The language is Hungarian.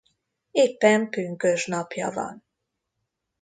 Éppen pünkösd napja van.